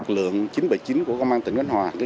lượng chín trăm bảy mươi chín của công an tỉnh khánh hòa